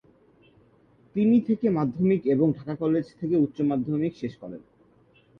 তিনি থেকে মাধ্যমিক এবং ঢাকা কলেজ থেকে উচ্চ মাধ্যমিক শেষ করেন।